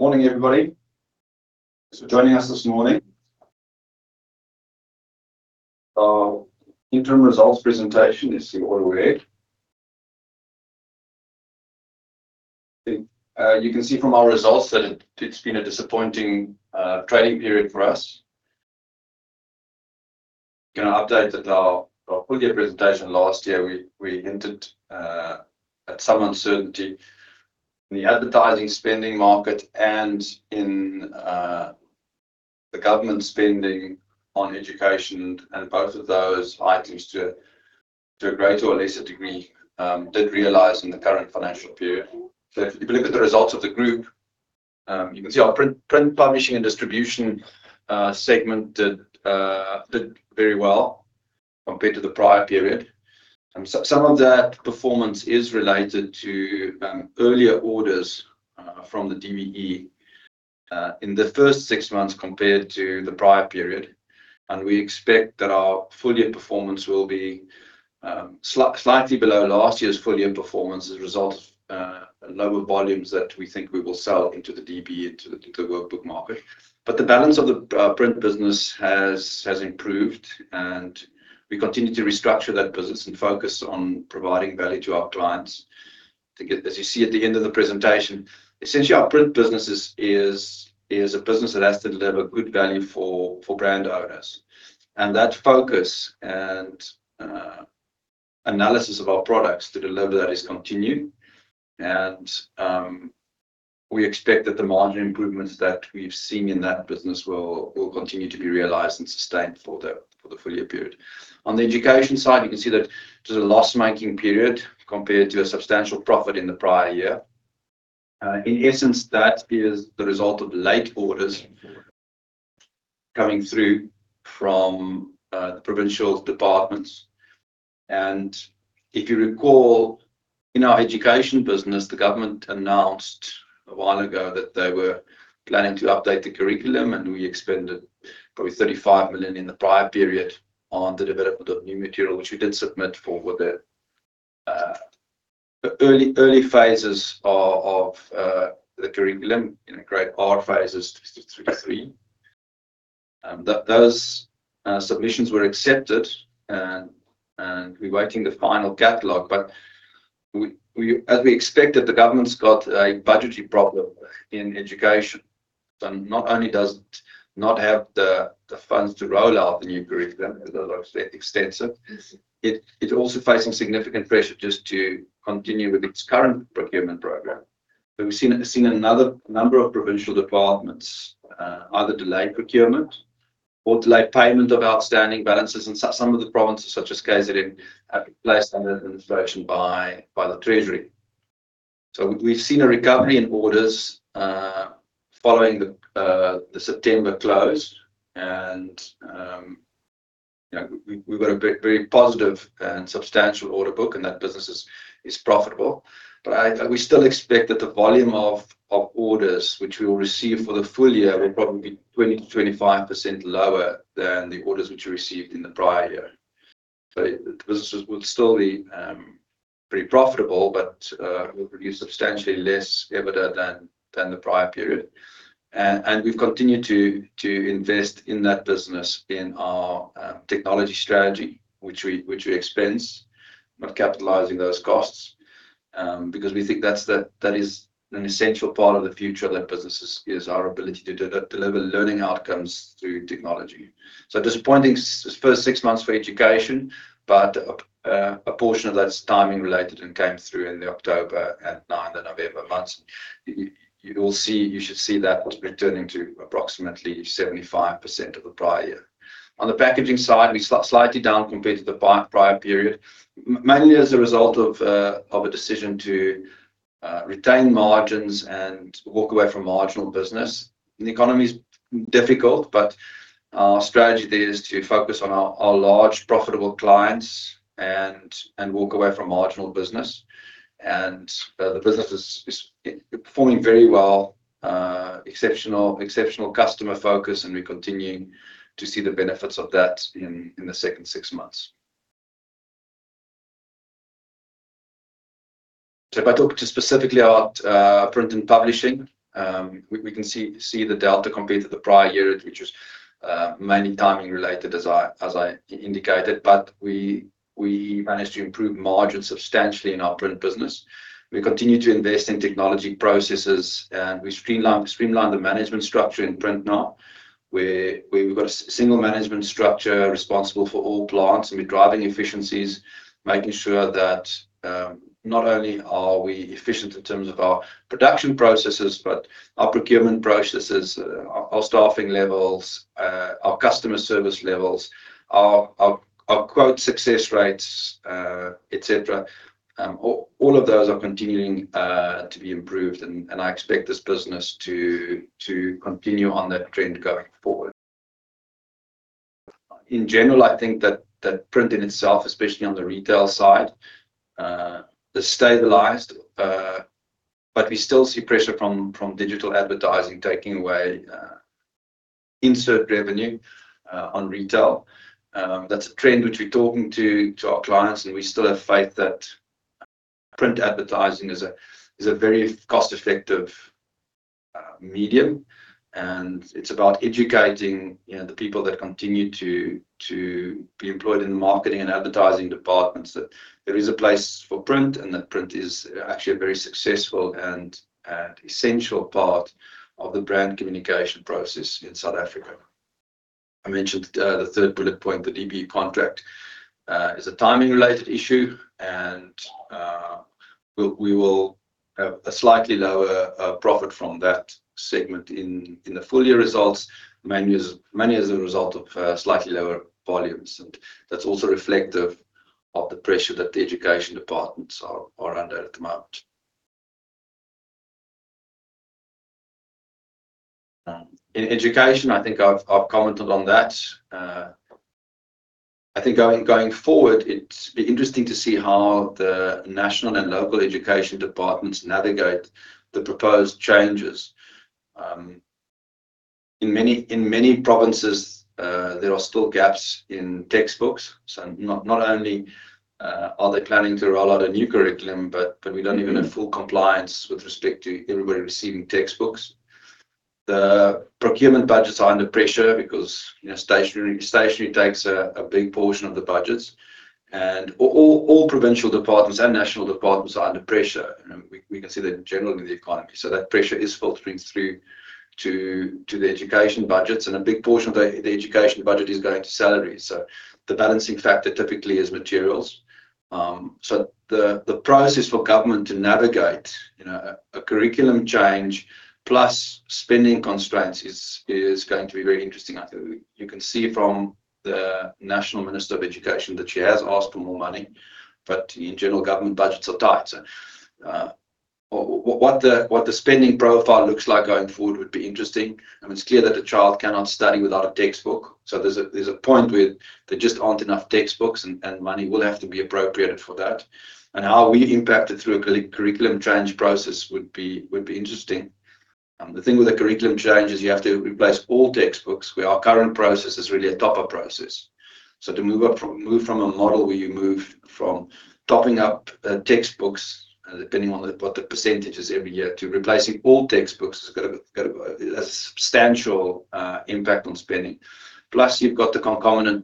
Good morning, everybody. Thanks for joining us this morning. Our interim results presentation is the order we're in. You can see from our results that it's been a disappointing trading period for us. I'm going to update that our full year presentation last year, we hinted at some uncertainty in the advertising spending market and in the government spending on education, and both of those items, to a greater or lesser degree, did realise in the current financial period. If you look at the results of the group, you can see our print, publishing, and distribution segment did very well compared to the prior period. Some of that performance is related to earlier orders from the DBE in the first six months compared to the prior period. We expect that our full year performance will be slightly below last year's full year performance as a result of lower volumes that we think we will sell into the DBE, into the workbook market. The balance of the print business has improved, and we continue to restructure that business and focus on providing value to our clients. As you see at the end of the presentation, essentially, our print business is a business that has to deliver good value for brand owners. That focus and analysis of our products to deliver that is continued. We expect that the margin improvements that we've seen in that business will continue to be realised and sustained for the full year period. On the education side, you can see that there's a loss-making period compared to a substantial profit in the prior year. In essence, that is the result of late orders coming through from the provincial departments. If you recall, in our education business, the government announced a while ago that they were planning to update the curriculum, and we expended probably 35 million in the prior period on the development of new material, which we did submit for the early phases of the curriculum, phases three to three. Those submissions were accepted, and we're waiting the final catalogue. As we expected, the government's got a budgetary problem in education. Not only does it not have the funds to roll out the new curriculum, as I've said, extensive, it's also facing significant pressure just to continue with its current procurement program. So we've seen a number of provincial departments either delay procurement or delay payment of outstanding balances, and some of the provinces, such as, have placed under administration by the Treasury. So we've seen a recovery in orders following the September close. And we've got a very positive and substantial order book, and that business is profitable. But we still expect that the volume of orders which we will receive for the full year will probably be 20%-25% lower than the orders which we received in the prior year. So the business will still be pretty profitable, but it will produce substantially less EBITDA than the prior period. And we've continued to invest in that business in our technology strategy, which we expense, not capitalising those costs, because we think that is an essential part of the future of that business, is our ability to deliver learning outcomes through technology. So disappointing first six months for education, but a portion of that's timing related and came through in the October and November months. You should see that returning to approximately 75% of the prior year. On the packaging side, we're slightly down compared to the prior period, mainly as a result of a decision to retain margins and walk away from marginal business. The economy's difficult, but our strategy there is to focus on our large, profitable clients and walk away from marginal business. And the business is performing very well, exceptional customer focus, and we're continuing to see the benefits of that in the second six months. So if I talk specifically about print and publishing, we can see the delta compared to the prior year, which was mainly timing related, as I indicated. But we managed to improve margins substantially in our print business. We continue to invest in technology processes, and we streamlined the management structure in print now. We've got a single management structure responsible for all plants, and we're driving efficiencies, making sure that not only are we efficient in terms of our production processes, but our procurement processes, our staffing levels, our customer service levels, our quote success rates, etc. All of those are continuing to be improved, and I expect this business to continue on that trend going forward. In general, I think that printing itself, especially on the retail side, has stabilised, but we still see pressure from digital advertising taking away insert revenue on retail. That's a trend which we're talking to our clients, and we still have faith that print advertising is a very cost-effective medium. And it's about educating the people that continue to be employed in the marketing and advertising departments that there is a place for print and that print is actually a very successful and essential part of the brand communication process in South Africa. I mentioned the third bullet point, the DBE contract is a timing-related issue, and we will have a slightly lower profit from that segment in the full year results, mainly as a result of slightly lower volumes. And that's also reflective of the pressure that the education departments are under at the moment. In education, I think I've commented on that. I think going forward, it'll be interesting to see how the national and local education departments navigate the proposed changes. In many provinces, there are still gaps in textbooks. So not only are they planning to roll out a new curriculum, but we don't even have full compliance with respect to everybody receiving textbooks. The procurement budgets are under pressure because stationery takes a big portion of the budgets. And all provincial departments and national departments are under pressure. We can see that generally in the economy. So that pressure is filtering through to the education budgets, and a big portion of the education budget is going to salaries. So the balancing factor typically is materials. So the process for government to navigate a curriculum change plus spending constraints is going to be very interesting. I think you can see from the national minister of education that she has asked for more money, but in general, government budgets are tight. So what the spending profile looks like going forward would be interesting. I mean, it's clear that a child cannot study without a textbook. So there's a point where there just aren't enough textbooks, and money will have to be appropriated for that. And how we impact it through a curriculum change process would be interesting. The thing with the curriculum change is you have to replace all textbooks, where our current process is really a top-up process. So to move from a model where you move from topping up textbooks, depending on what the percentage is every year, to replacing all textbooks has got a substantial impact on spending. Plus, you've got the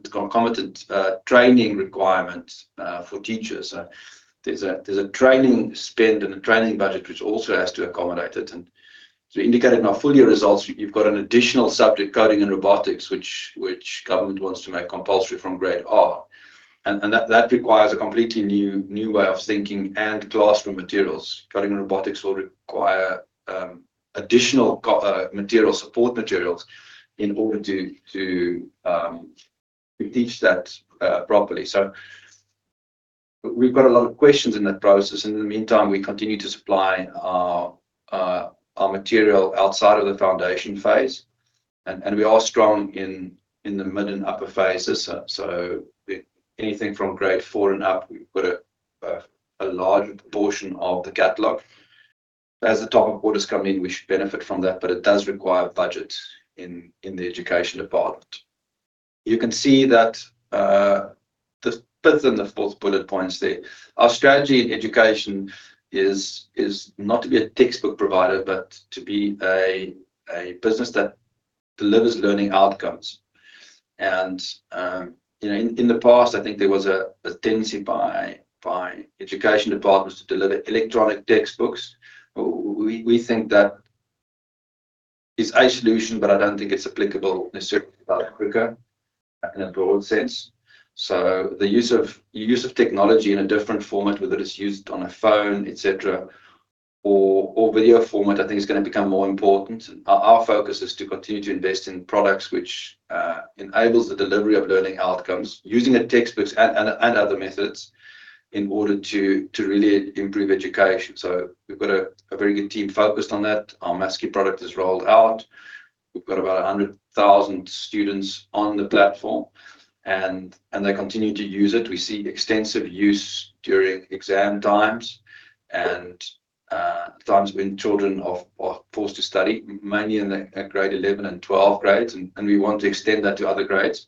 concomitant training requirements for teachers. There's a training spend and a training budget which also has to accommodate it. And as we indicated in our full year results, you've got an additional subject, Coding and Robotics, which government wants to make compulsory from grade R. And that requires a completely new way of thinking and classroom materials. Coding and Robotics will require additional materials, support materials, in order to teach that properly. So we've got a lot of questions in that process. And in the meantime, we continue to supply our material outside of the foundation phase. And we are strong in the mid and upper phases. So anything from grade four and up, we've got a large portion of the catalogue. As the top of orders come in, we should benefit from that, but it does require budgets in the education department. You can see that the fifth and the fourth bullet points there. Our strategy in education is not to be a textbook provider, but to be a business that delivers learning outcomes. And in the past, I think there was a tendency by education departments to deliver electronic textbooks. We think that is a solution, but I don't think it's applicable necessarily quicker in a broad sense. So the use of technology in a different format, whether it's used on a phone, etc., or video format, I think is going to become more important. Our focus is to continue to invest in products which enable the delivery of learning outcomes using textbooks and other methods in order to really improve education. So we've got a very good team focused on that. Our Maski product is rolled out. We've got about 100,000 students on the platform, and they continue to use it. We see extensive use during exam times and times when children are forced to study, mainly in grade 11 and 12th grades, and we want to extend that to other grades.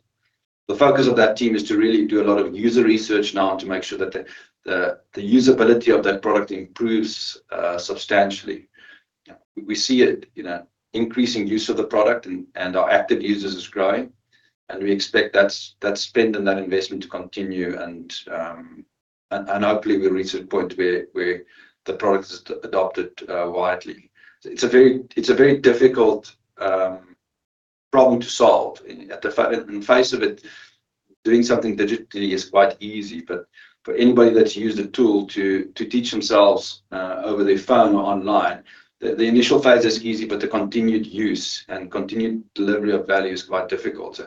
The focus of that team is to really do a lot of user research now to make sure that the usability of that product improves substantially. We see increasing use of the product, and our active users are growing. And we expect that spend and that investment to continue. And hopefully, we'll reach a point where the product is adopted widely. It's a very difficult problem to solve. In the face of it, doing something digitally is quite easy. But for anybody that's used a tool to teach themselves over their phone or online, the initial phase is easy, but the continued use and continued delivery of value is quite difficult.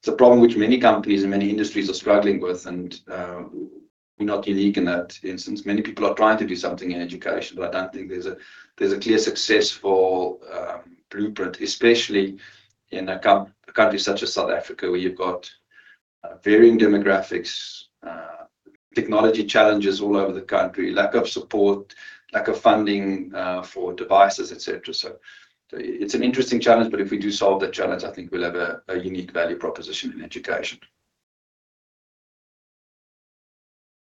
It's a problem which many companies and many industries are struggling with, and we're not unique in that instance. Many people are trying to do something in education, but I don't think there's a clear successful blueprint, especially in a country such as South Africa, where you've got varying demographics, technology challenges all over the country, lack of support, lack of funding for devices, etc. So it's an interesting challenge, but if we do solve that challenge, I think we'll have a unique value proposition in education.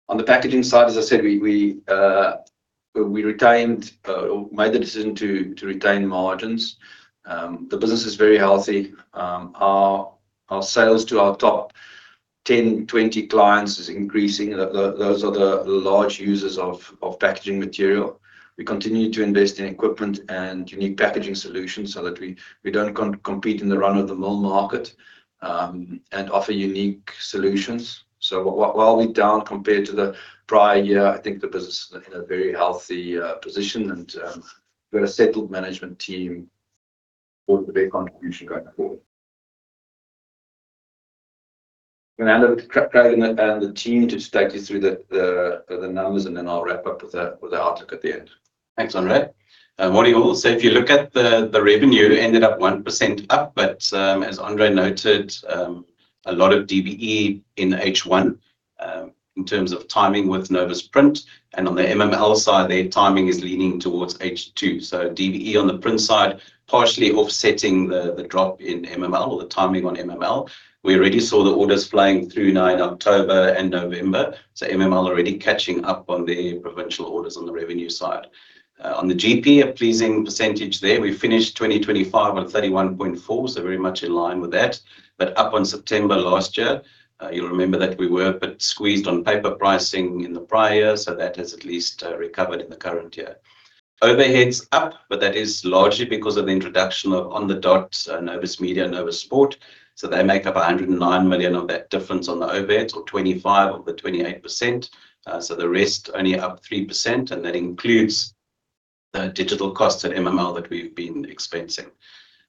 On the packaging side, as I said, we retained or made the decision to retain margins. The business is very healthy. Our sales to our top 10, 20 clients is increasing. Those are the large users of packaging material. We continue to invest in equipment and unique packaging solutions so that we don't compete in the run-of-the-mill market and offer unique solutions. So while we're down compared to the prior year, I think the business is in a very healthy position, and we've got a settled management team for their contribution going forward. I'm going to hand over to Craig and the team to take you through the numbers, and then I'll wrap up with the article at the end. Thanks, André. What do you all say? If you look at the revenue, it ended up 1% up, but as André noted, a lot of DBE in H1 in terms of timing with Novus Print. And on the MML side, their timing is leaning towards H2. So DBE on the print side, partially offsetting the drop in MML or the timing on MML. We already saw the orders flowing through now in October and November. So MML are already catching up on their provincial orders on the revenue side. On the GP, a pleasing percentage there. We finished 2025 on 31.4%, so very much in line with that. But up on September last year, you'll remember that we were a bit squeezed on paper pricing in the prior year, so that has at least recovered in the current year. Overheads up, but that is largely because of the introduction of On the Dot Novus Media and Novus Sport. So they make up 109 million of that difference on the overheads, or 25 of the 28%. So the rest only up 3%, and that includes the digital costs at MML that we've been expensing.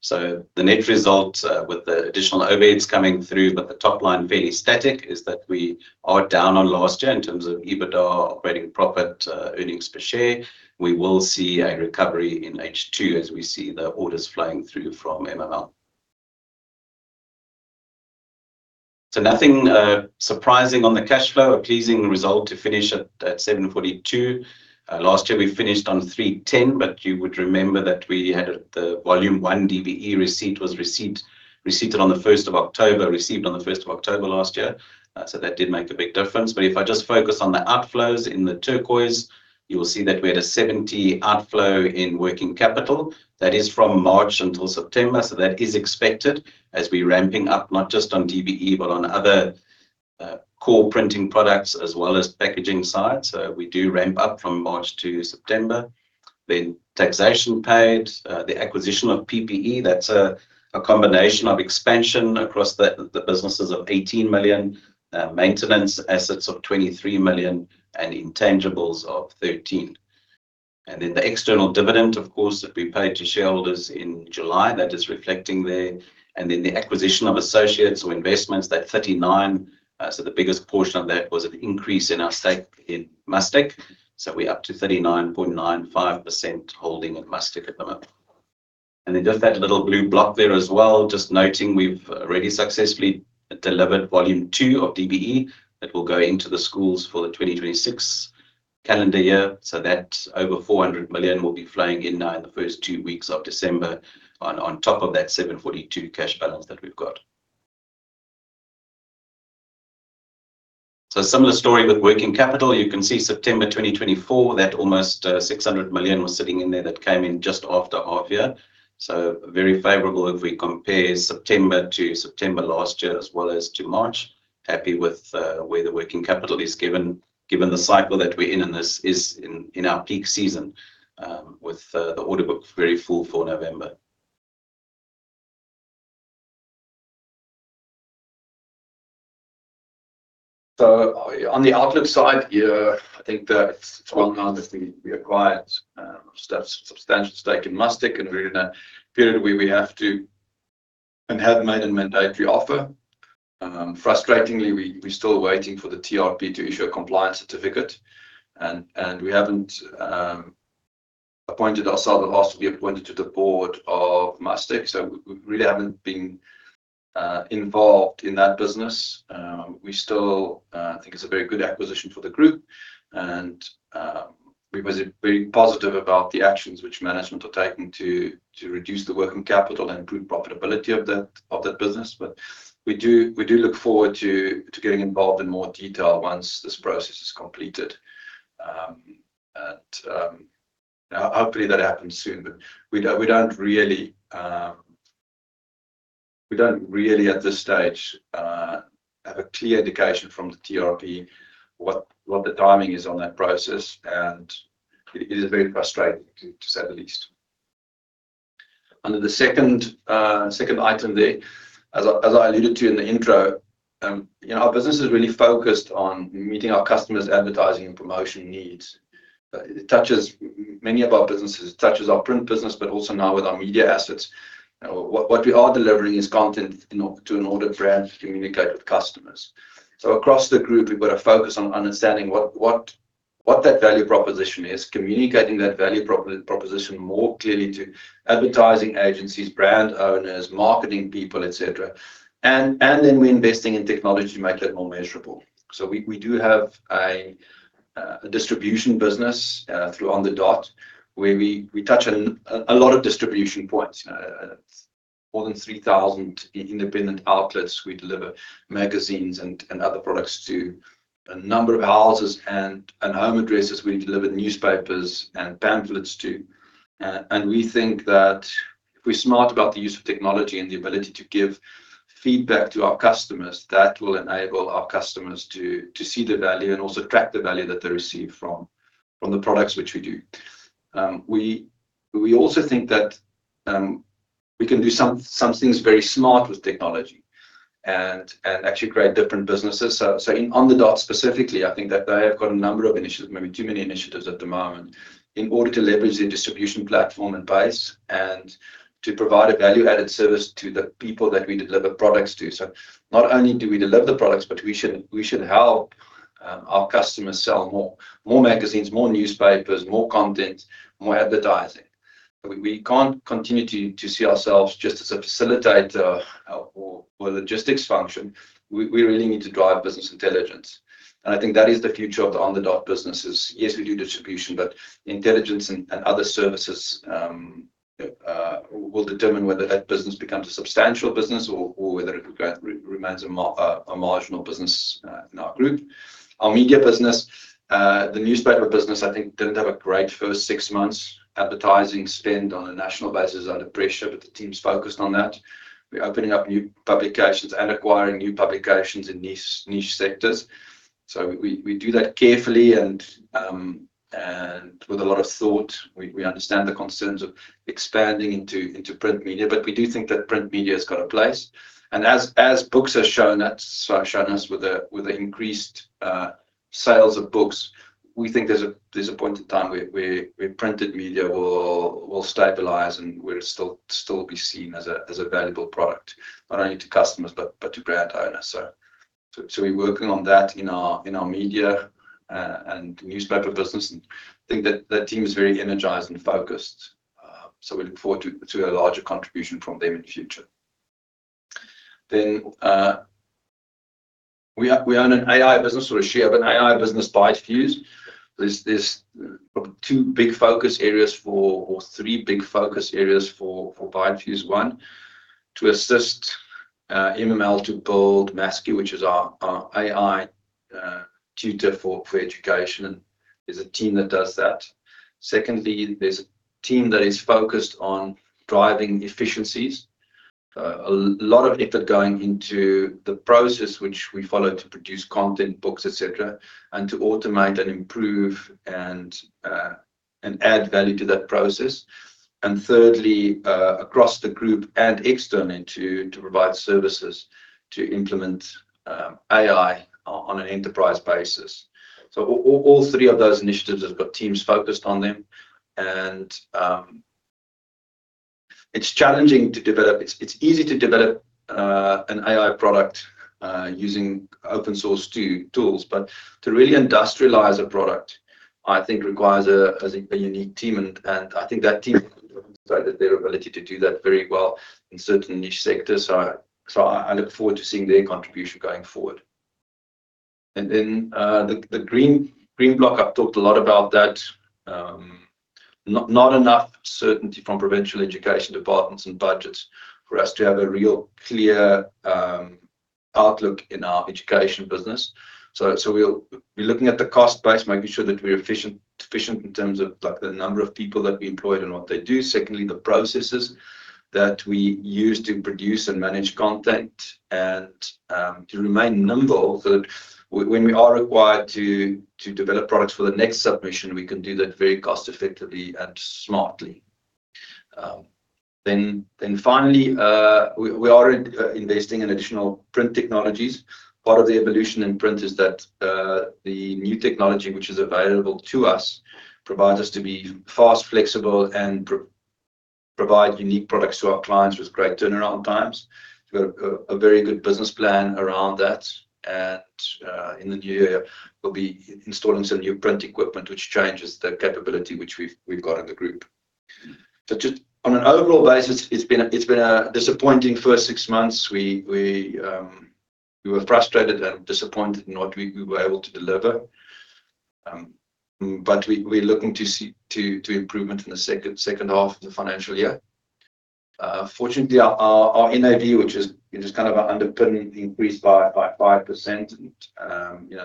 So the net result with the additional overheads coming through, but the top line fairly static, is that we are down on last year in terms of EBITDA, operating profit, earnings per share. We will see a recovery in H2 as we see the orders flowing through from MML. So nothing surprising on the cash flow, a pleasing result to finish at 742. Last year, we finished on 310, but you would remember that we had the volume one DBE receipt was received on the 1st of October, received on the 1st of October last year. So that did make a big difference. But if I just focus on the outflows in the turquoise, you will see that we had a 70 outflow in working capital. That is from March until September, so that is expected as we're ramping up not just on DBE, but on other core printing products as well as packaging side. So we do ramp up from March to September. Then taxation paid, the acquisition of PPE, that's a combination of expansion across the businesses of 18 million, maintenance assets of 23 million, and intangibles of 13. And then the external dividend, of course, that we paid to shareholders in July, that is reflecting there. And then the acquisition of associates or investments, that 39, so the biggest portion of that was an increase in our stake in Mustek. So we're up to 39.95% holding in Mustek at the moment. And then just that little blue block there as well, just noting we've already successfully delivered volume two of DBE that will go into the schools for the 2026 calendar year. So that over 400 million will be flowing in now in the first two weeks of December on top of that 742 cash balance that we've got. So similar story with working capital. You can see September 2024, that almost 600 million was sitting in there that came in just after half year. So very favourable if we compare September to September last year as well as to March. Happy with where the working capital is given given the cycle that we're in, and this is in our peak season with the order book very full for November. So on the outlook side, I think it's well known that we acquired a substantial stake in Mustek and we're in a period where we have to and have made a mandatory offer. Frustratingly, we're still waiting for the TRP to issue a compliance certificate, and we haven't appointed ourselves or possibly appointed to the board of Mustek. So we really haven't been involved in that business. We still think it's a very good acquisition for the group, and we were very positive about the actions which management are taking to reduce the working capital and improve profitability of that business. But we do look forward to getting involved in more detail once this process is completed. And hopefully, that happens soon. But we don't really at this stage have a clear indication from the TRP what the timing is on that process, and it is very frustrating, to say the least. Under the second item there, as I alluded to in the intro, our business is really focused on meeting our customers' advertising and promotion needs. It touches many of our businesses. It touches our print business, but also now with our media assets. What we are delivering is content to an order brand to communicate with customers. So across the group, we've got to focus on understanding what that value proposition is, communicating that value proposition more clearly to advertising agencies, brand owners, marketing people, etc. And then we're investing in technology to make that more measurable. So we do have a distribution business through On the Dot, where we touch a lot of distribution points. More than 3,000 independent outlets. We deliver magazines and other products to a number of houses and home addresses. We deliver newspapers and pamphlets too. And we think that if we're smart about the use of technology and the ability to give feedback to our customers, that will enable our customers to see the value and also track the value that they receive from the products which we do. We also think that we can do some things very smart with technology and actually create different businesses. So On the Dot specifically, I think that they have got a number of initiatives, maybe too many initiatives at the moment, in order to leverage their distribution platform in place and to provide a value-added service to the people that we deliver products to. So not only do we deliver the products, but we should help our customers sell more magazines, more newspapers, more content, more advertising. We can't continue to see ourselves just as a facilitator or a logistics function. We really need to drive business intelligence. And I think that is the future of the On the Dot businesses. Yes, we do distribution, but intelligence and other services will determine whether that business becomes a substantial business or whether it remains a marginal business in our group. Our media business, the newspaper business, I think didn't have a great first six months advertising spend on a national basis under pressure, but the team's focused on that. We're opening up new publications and acquiring new publications in niche sectors. So we do that carefully and with a lot of thought. We understand the concerns of expanding into print media, but we do think that print media has got a place. And as books have shown us with the increased sales of books, we think there's a point in time where printed media will stabilise and will still be seen as a valuable product, not only to customers but to brand owners. So we're working on that in our media and newspaper business. And I think that team is very energised and focused. So we look forward to a larger contribution from them in the future. Then we own an AI business or a share of an AI business, Bytefuse. There's probably two big focus areas or three big focus areas for Bytefuse. One, to assist MML to build Maski, which is our AI tutor for education, and there's a team that does that. Secondly, there's a team that is focused on driving efficiencies. A lot of effort going into the process, which we follow to produce content, books, etc., and to automate and improve and add value to that process. And thirdly, across the group and externally to provide services to implement AI on an enterprise basis. So all three of those initiatives have got teams focused on them. And it's challenging to develop. It's easy to develop an AI product using open-source tools, but to really industrialise a product, I think, requires a unique team. And I think that team demonstrated their ability to do that very well in certain niche sectors. So I look forward to seeing their contribution going forward. And then the green block, I've talked a lot about that. Not enough certainty from provincial education departments and budgets for us to have a real clear outlook in our education business. So we're looking at the cost base, making sure that we're efficient in terms of the number of people that we employed and what they do. Secondly, the processes that we use to produce and manage content and to remain nimble so that when we are required to develop products for the next submission, we can do that very cost-effectively and smartly. Then finally, we are investing in additional print technologies. Part of the evolution in print is that the new technology, which is available to us, provides us to be fast, flexible, and provide unique products to our clients with great turnaround times. We've got a very good business plan around that. And in the new year, we'll be installing some new print equipment, which changes the capability which we've got in the group. But just on an overall basis, it's been a disappointing first six months. We were frustrated and disappointed in what we were able to deliver. But we're looking to see improvement in the second half of the financial year. Fortunately, our NAV, which is kind of an underpinning increase by 5%,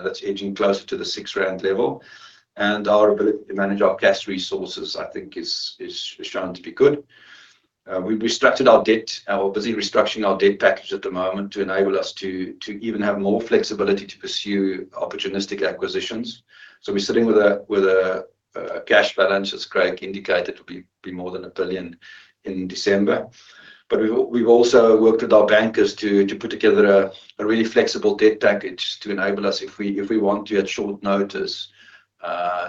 that's edging closer to the six-round level. And our ability to manage our cash resources, I think, has shown to be good. We restructured our debt. We're busy restructuring our debt package at the moment to enable us to even have more flexibility to pursue opportunistic acquisitions. So we're sitting with a cash balance, as Craig indicated, it will be more than a billion in December. But we've also worked with our bankers to put together a really flexible debt package to enable us, if we want to, at short notice,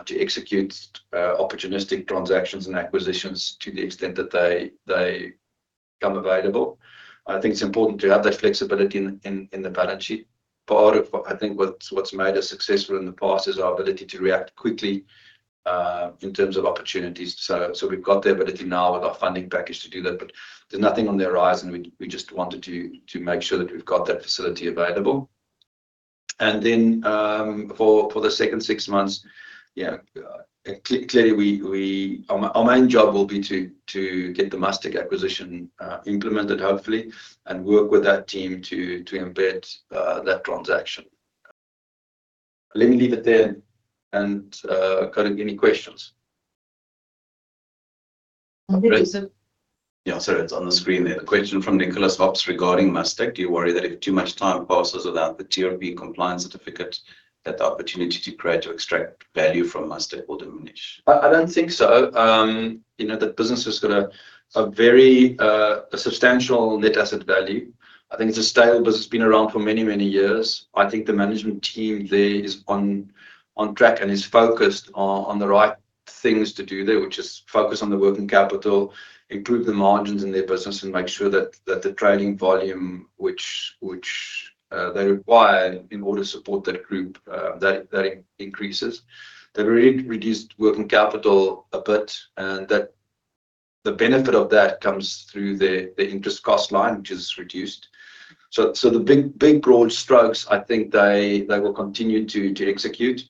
to execute opportunistic transactions and acquisitions to the extent that they become available. I think it's important to have that flexibility in the balance sheet. Part of, I think, what's made us successful in the past is our ability to react quickly in terms of opportunities. So we've got the ability now with our funding package to do that. But there's nothing on their rise, and we just wanted to make sure that we've got that facility available. And then for the second six months, clearly, our main job will be to get the Mustek acquisition implemented, hopefully, and work with that team to embed that transaction. Let me leave it there and go to any questions. Yeah, sorry, it's on the screen there. The question from Nicholas Hobbs regarding Mustek. Do you worry that if too much time passes without the TRP compliance certificate, that the opportunity to create or extract value from Mustek will diminish? I don't think so. The business has got a very substantial net asset value. I think it's a stable business. It's been around for many, many years. I think the management team there is on track and is focused on the right things to do there, which is focus on the working capital, improve the margins in their business, and make sure that the trading volume which they require in order to support that group, that increases. They've already reduced working capital a bit, and the benefit of that comes through the interest cost line, which is reduced. So the big broad strokes, I think they will continue to execute.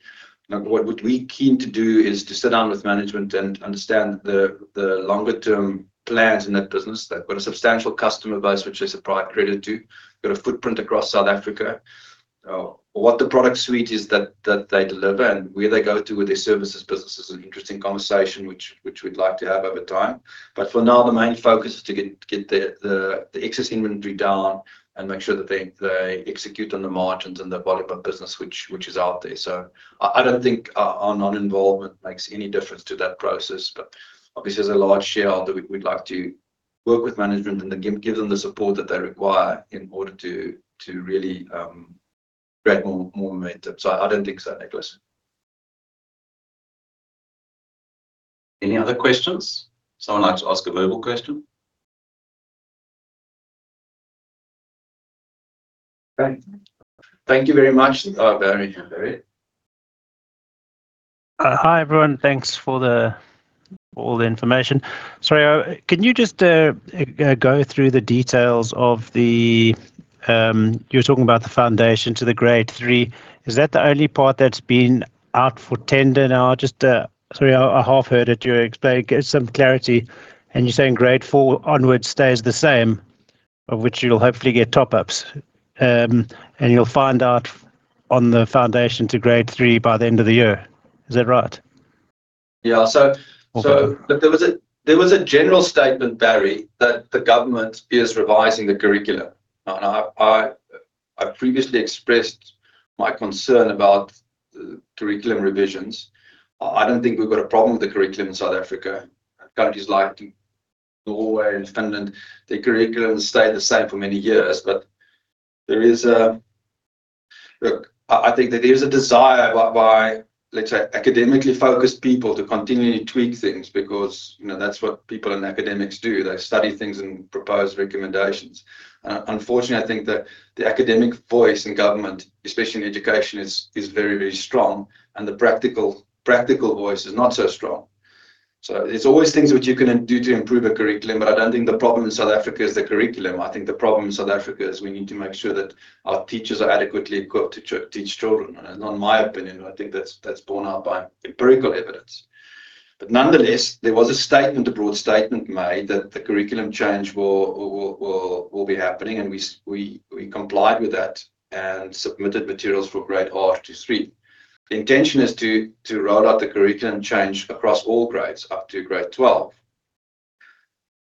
What we're keen to do is to sit down with management and understand the longer-term plans in that business. They've got a substantial customer base, which they surprise credit to. They've got a footprint across South Africa. What the product suite is that they deliver and where they go to with their services business is an interesting conversation which we'd like to have over time. But for now, the main focus is to get the excess inventory down and make sure that they execute on the margins and the volume of business which is out there. So I don't think our non-involvement makes any difference to that process. But obviously, there's a large shareholder we'd like to work with management and give them the support that they require in order to really create more momentum. So I don't think so, Nicholas. Any other questions? Someone likes to ask a verbal question. Thank you very much. Hi, everyone. Thanks for all the information. Sorry, can you just go through the details of the you were talking about the foundation to the grade three. Is that the only part that's been out for tender now? Sorry, I half heard it. You explained some clarity, and you're saying grade four onwards stays the same, of which you'll hopefully get top-ups. And you'll find out on the foundation to grade three by the end of the year. Is that right? Yeah. So there was a general statement, Barry, that the government is revising the curriculum. And I previously expressed my concern about curriculum revisions. I don't think we've got a problem with the curriculum in South Africa. Countries like Norway and Finland, their curriculum stayed the same for many years. But look, I think that there is a desire by, let's say, academically focused people to continue to tweak things because that's what people and academics do. They study things and propose recommendations. And unfortunately, I think that the academic voice in government, especially in education, is very, very strong, and the practical voice is not so strong. So there's always things which you can do to improve a curriculum, but I don't think the problem in South Africa is the curriculum. I think the problem in South Africa is we need to make sure that our teachers are adequately equipped to teach children. And in my opinion, I think that's borne out by empirical evidence. But nonetheless, there was a statement, a broad statement made that the curriculum change will be happening, and we complied with that and submitted materials for grade R to three. The intention is to roll out the curriculum change across all grades up to grade 12.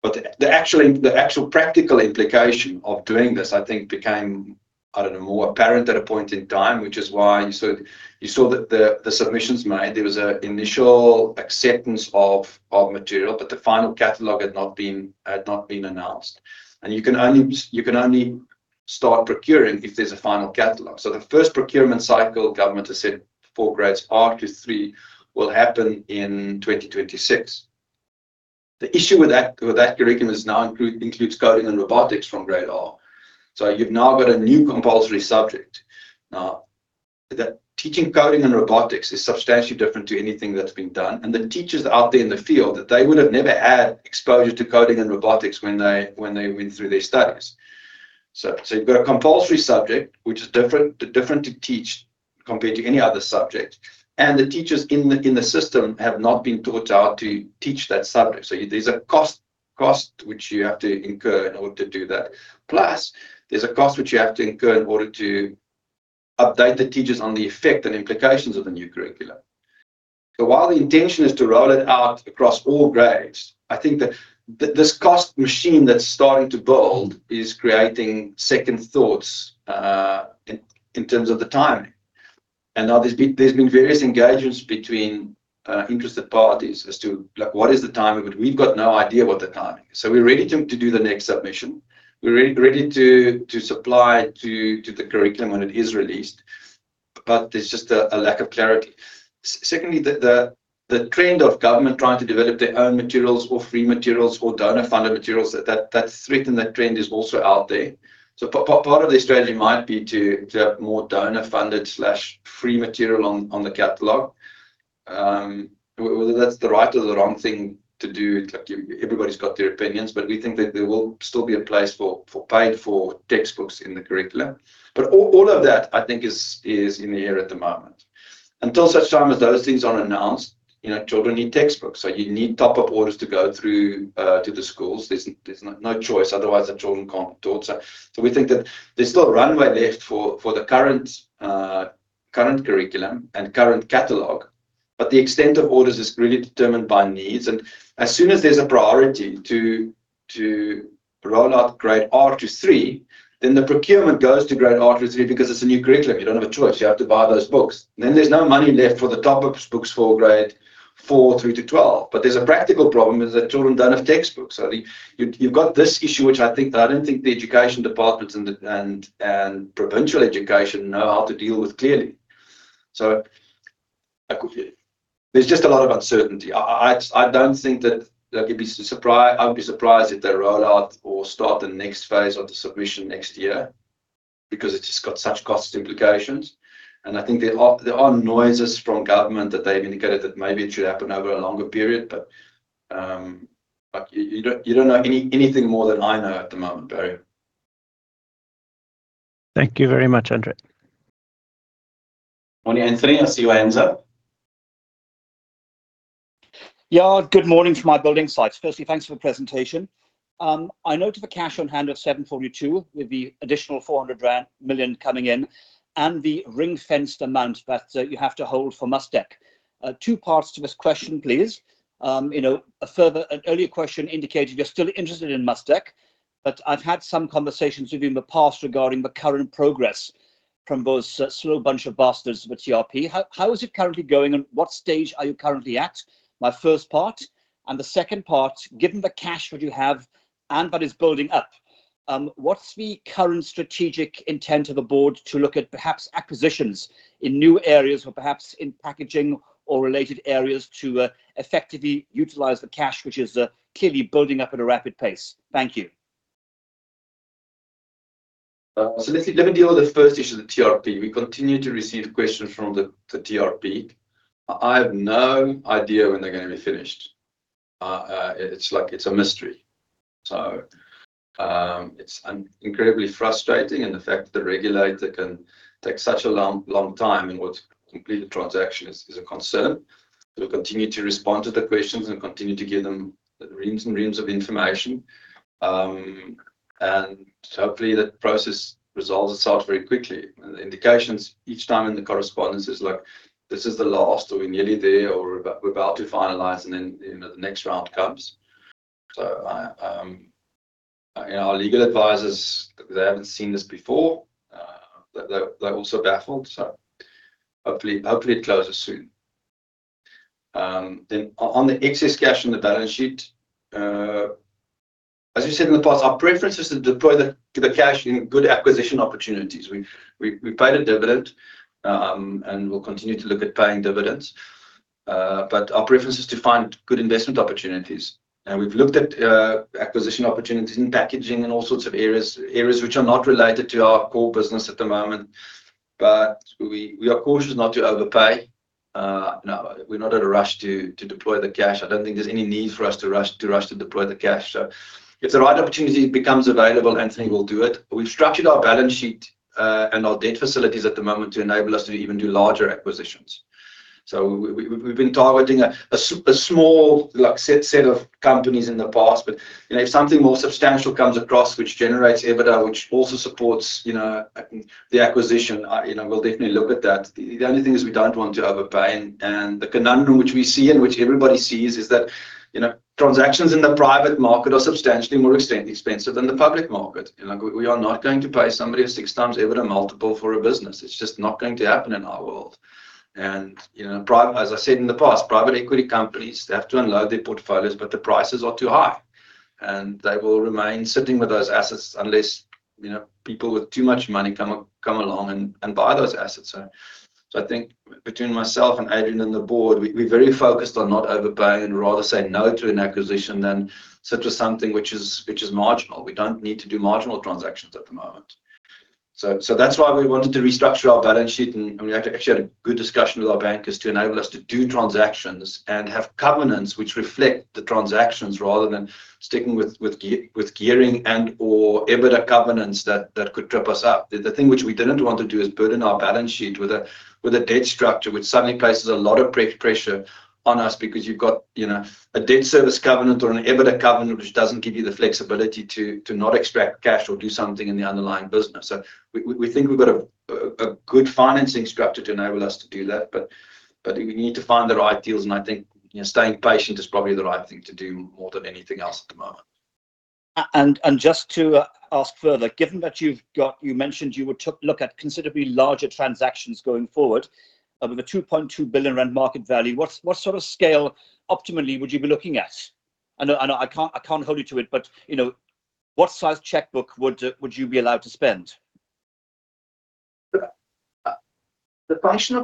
But the actual practical implication of doing this, I think, became, I don't know, more apparent at a point in time, which is why you saw the submissions made. There was an initial acceptance of material, but the final catalogue had not been announced. And you can only start procuring if there's a final catalogue. So the first procurement cycle, government has said, for grades R to three will happen in 2026. The issue with that curriculum now includes Coding and Robotics from grade R. So you've now got a new compulsory subject. Now, teaching Coding and Robotics is substantially different to anything that's been done. And the teachers out there in the field, they would have never had exposure to Coding and Robotics when they went through their studies. So you've got a compulsory subject, which is different to teach compared to any other subject. And the teachers in the system have not been taught how to teach that subject. So there's a cost which you have to incur in order to do that. Plus, there's a cost which you have to incur in order to update the teachers on the effect and implications of the new curriculum. So while the intention is to roll it out across all grades, I think that this cost machine that's starting to build is creating second thoughts in terms of the timing. And now there's been various engagements between interested parties as to what is the timing, but we've got no idea what the timing is. So we're ready to do the next submission. We're ready to supply to the curriculum when it is released, but there's just a lack of clarity. Secondly, the trend of government trying to develop their own materials or free materials or donor-funded materials, that threat and that trend is also out there. So part of the strategy might be to have more donor-funded/free material on the catalogue. Whether that's the right or the wrong thing to do, everybody's got their opinions, but we think that there will still be a place for paid-for textbooks in the curriculum. But all of that, I think, is in the air at the moment. Until such time as those things aren't announced, children need textbooks. So you need top-up orders to go through to the schools. There's no choice. Otherwise, the children can't be taught. So we think that there's still runway left for the current curriculum and current catalogue, but the extent of orders is really determined by needs. And as soon as there's a priority to roll out grade R to three, then the procurement goes to grade R to three because it's a new curriculum. You don't have a choice. You have to buy those books. Then there's no money left for the top-up books for grade four through to twelve. But there's a practical problem is that children don't have textbooks. So you've got this issue, which I don't think the education departments and provincial education know how to deal with clearly. So there's just a lot of uncertainty. I don't think that I'd be surprised if they roll out or start the next phase of the submission next year because it's just got such cost implications. And I think there are noises from government that they've indicated that maybe it should happen over a longer period, but you don't know anything more than I know at the moment, Barry. Thank you very much, André. Morning, Anthony. I see your hands up. Yeah. Good morning from my building sites. Firstly, thanks for the presentation. I note of a cash on hand of 742 with the additional 400 million coming in and the ring-fenced amount that you have to hold for Mustek. Two parts to this question, please. An earlier question indicated you're still interested in Mustek, but I've had some conversations with you in the past regarding the current progress from those slow bunch of bastards with TRP. How is it currently going? And what stage are you currently at? My first part. And the second part, given the cash that you have and that is building up, what's the current strategic intent of the board to look at perhaps acquisitions in new areas or perhaps in packaging or related areas to effectively utilize the cash, which is clearly building up at a rapid pace? Thank you. So let me deal with the first issue of the TRP. We continue to receive questions from the TRP. I have no idea when they're going to be finished. It's a mystery. So it's incredibly frustrating, and the fact that the regulator can take such a long time in what's completed transaction is a concern. We'll continue to respond to the questions and continue to give them reams and reams of information. And hopefully, that process resolves itself very quickly. And the indications each time in the correspondence is like, "This is the last," or, "We're nearly there," or, "We're about to finalize," and then the next round comes. So our legal advisors, they haven't seen this before. They're also baffled. So hopefully, it closes soon. Then on the excess cash on the balance sheet, as we said in the past, our preference is to deploy the cash in good acquisition opportunities. We paid a dividend, and we'll continue to look at paying dividends. But our preference is to find good investment opportunities. And we've looked at acquisition opportunities in packaging and all sorts of areas which are not related to our core business at the moment. But we are cautious not to overpay. We're not in a rush to deploy the cash. I don't think there's any need for us to rush to deploy the cash. So if the right opportunity becomes available, Anthony will do it. We've structured our balance sheet and our debt facilities at the moment to enable us to even do larger acquisitions. So we've been targeting a small set of companies in the past. But if something more substantial comes across which generates EBITDA, which also supports the acquisition, we'll definitely look at that. The only thing is we don't want to overpay. And the conundrum which we see and which everybody sees is that transactions in the private market are substantially more expensive than the public market. We are not going to pay somebody a six times EBITDA multiple for a business. It's just not going to happen in our world. And as I said in the past, private equity companies, they have to unload their portfolios, but the prices are too high. And they will remain sitting with those assets unless people with too much money come along and buy those assets. So I think between myself and André and the board, we're very focused on not overpaying and rather say no to an acquisition than sit with something which is marginal. We don't need to do marginal transactions at the moment. So that's why we wanted to restructure our balance sheet. And we actually had a good discussion with our bankers to enable us to do transactions and have covenants which reflect the transactions rather than sticking with gearing and/or EBITDA covenants that could trip us up. The thing which we didn't want to do is burden our balance sheet with a debt structure which suddenly places a lot of pressure on us because you've got a debt service covenant or an EBITDA covenant which doesn't give you the flexibility to not extract cash or do something in the underlying business. So we think we've got a good financing structure to enable us to do that. But we need to find the right deals. And I think staying patient is probably the right thing to do more than anything else at the moment. And just to ask further, given that you mentioned you would look at considerably larger transactions going forward with a 2.2 billion rand rent market value, what sort of scale optimally would you be looking at? I know I can't hold you to it, but what size checkbook would you be allowed to spend? The function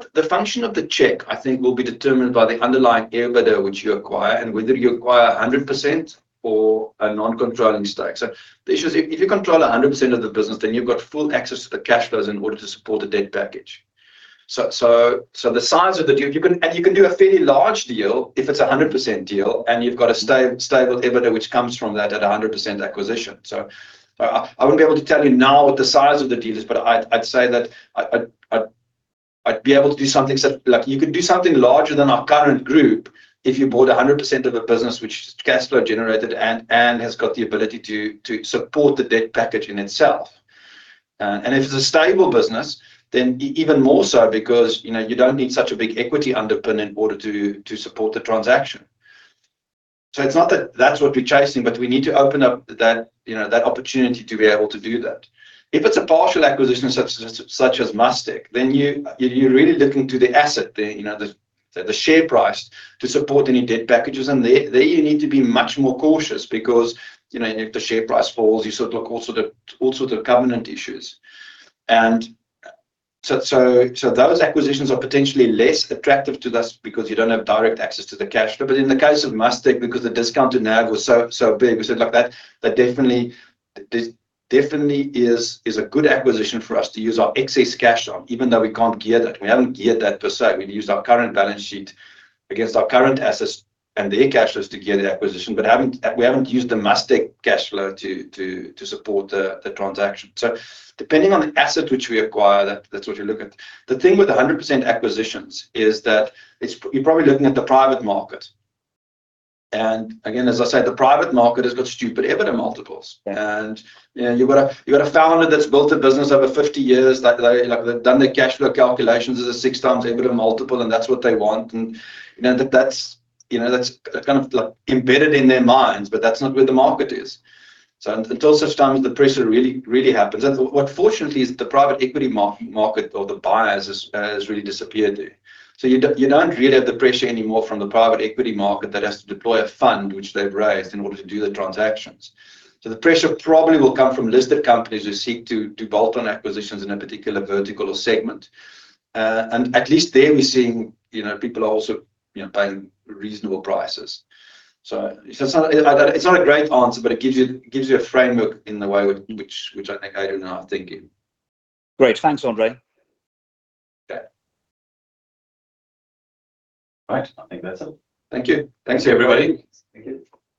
of the check, I think, will be determined by the underlying EBITDA which you acquire and whether you acquire 100% or a non-controlling stack. So the issue is if you control 100% of the business, then you've got full access to the cash flows in order to support the debt package. So the size of the deal and you can do a fairly large deal if it's a 100% deal, and you've got a stable EBITDA which comes from that at 100% acquisition. So I wouldn't be able to tell you now what the size of the deal is, but I'd say that I'd be able to do something you could do something larger than our current group if you bought 100% of a business which is cash flow generated and has got the ability to support the debt package in itself. And if it's a stable business, then even more so because you don't need such a big equity underpin in order to support the transaction. So it's not that that's what we're chasing, but we need to open up that opportunity to be able to do that. If it's a partial acquisition such as Mustek, then you're really looking to the asset, the share price, to support any debt packages. And there you need to be much more cautious because if the share price falls, you sort of look at all sorts of covenant issues. And so those acquisitions are potentially less attractive to us because you don't have direct access to the cash flow. But in the case of Mustek, because the discount to now was so big, we said, "Look, that definitely is a good acquisition for us to use our excess cash on, even though we can't gear that. We haven't geared that per se. We've used our current balance sheet against our current assets and their cash flows to gear the acquisition, but we haven't used the Mustek cash flow to support the transaction." So depending on the asset which we acquire, that's what you look at. The thing with 100% acquisitions is that you're probably looking at the private market. And again, as I said, the private market has got stupid EBITDA multiples. And you've got a founder that's built a business over 50 years, done their cash flow calculations as a six times EBITDA multiple, and that's what they want. And that's kind of embedded in their minds, but that's not where the market is. So until such times, the pressure really happens. And what fortunately is, the private equity market or the buyers has really disappeared there. So you don't really have the pressure anymore from the private equity market that has to deploy a fund which they've raised in order to do the transactions. So the pressure probably will come from listed companies who seek to bolt on acquisitions in a particular vertical or segment. And at least there, we're seeing people are also paying reasonable prices. So it's not a great answer, but it gives you a framework in the way which I think Craig and I are thinking. Great. Thanks, André. Okay. All right. I think that's it. Thank you. Thanks, everybody. Thank you.